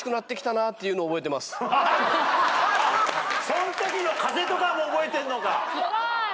そんときの風とかも覚えてんのか。